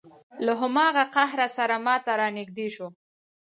له هماغه قهره سره ما ته را نږدې شو.